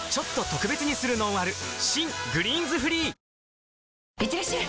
新「グリーンズフリー」いってらっしゃい！